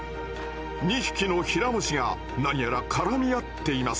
２匹のヒラムシが何やら絡み合っています。